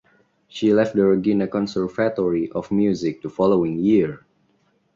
She left the Regina Conservatory of Music the following year.